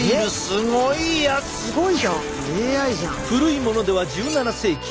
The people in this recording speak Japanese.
古いものでは１７世紀。